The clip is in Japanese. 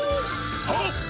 はっ！